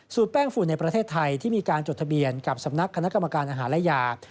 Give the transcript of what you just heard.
แป้งฝุ่นในประเทศไทยที่มีการจดทะเบียนกับสำนักคณะกรรมการอาหารและยา